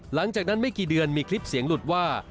หลังจากนั้นไม่กี่เดือนมีคลิปเสียงหลุดว่า